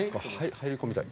入り込みたい。